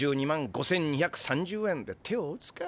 １１２万５，２３０円で手を打つか。